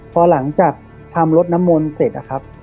พอหลังจากทำรถน้ำมนต์เสร็จนะครับ